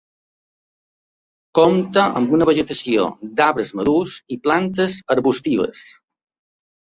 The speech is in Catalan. Compta amb una vegetació d’arbres madurs i plantes arbustives.